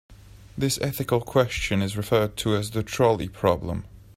This ethical question is referred to as the trolley problem.